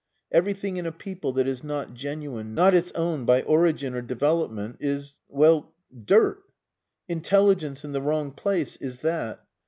Everything in a people that is not genuine, not its own by origin or development, is well dirt! Intelligence in the wrong place is that.